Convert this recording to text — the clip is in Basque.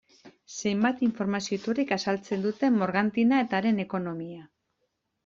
Zenbait informazio iturrik azaltzen dute Morgantina eta haren ekonomia.